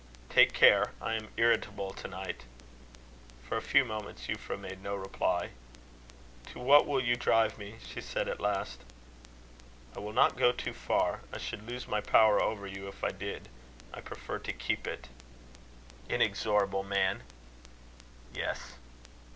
"Take care. I am irritable to night." For a few moments Euphra made no reply. "To what will you drive me?" she said at last. "I will not go too far. I should lose my power over you if I did. I prefer to keep it." "Inexorable man!" "Yes."